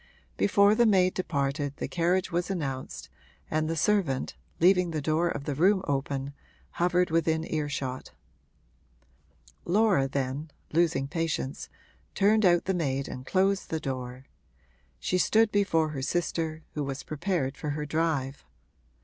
Before the maid departed the carriage was announced, and the servant, leaving the door of the room open, hovered within earshot. Laura then, losing patience, turned out the maid and closed the door; she stood before her sister, who was prepared for her drive.